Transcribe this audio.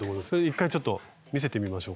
一回ちょっと見せてみましょう。